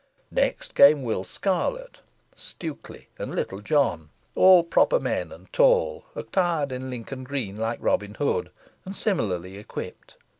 Next came Will Scarlet, Stukely, and Little John, all proper men and tall, attired in Lincoln green, like Robin Hood, and similarly equipped.